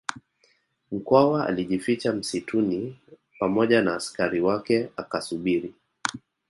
Mkwawa alijificha msituni pamoja na askari wake akasubiri